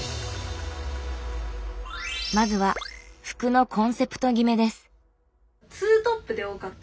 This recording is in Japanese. まずは服のコンセプト決めです。